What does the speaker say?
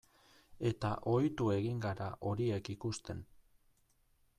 Eta ohitu egin gara horiek ikusten.